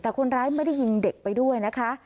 แต่คนร้ายไม่ได้ยิงเด็กไปด้วยนะคะ